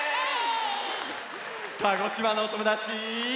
鹿児島のおともだち。